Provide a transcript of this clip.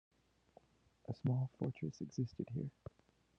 A small fortress existed here.